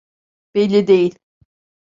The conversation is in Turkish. Belli değil.